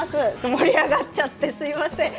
盛り上がっちゃってすみません。